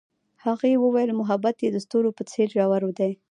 هغې وویل محبت یې د ستوري په څېر ژور دی.